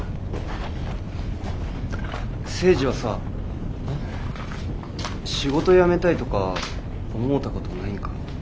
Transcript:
青爾はさ仕事やめたいとか思うた事ないんか？